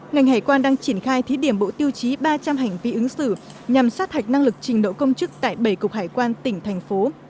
ngành hải quan đang triển khai thí điểm bộ tiêu chí ba trăm linh hành vi ứng xử nhằm sát hạch năng lực trình độ công chức tại bảy cục hải quan tỉnh thành phố